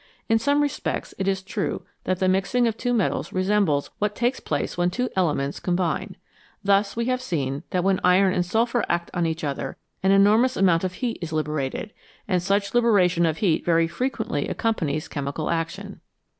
In some respects, it is true that the mixing of two metals re sembles what takes place when two elements combine. Thus we have seen that when iron and sulphur act on each other an enormous amount of heat is liberated, and such liberation of heat very frequently accompanies chemical action.